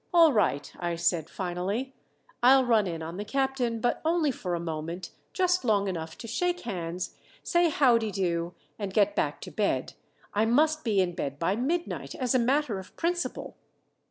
"All right," I said finally, "I'll run in on the captain; but only for a moment, just long enough to shake hands, say howdido, and get back to bed. I must be in bed by midnight as a matter of principle."